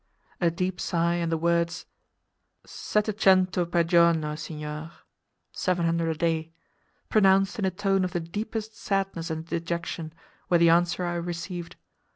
A deep sigh, and the words, "Sette cento per giorno, signor" (seven hundred a day), pronounced in a tone of the deepest sadness and dejection, were the answer I received.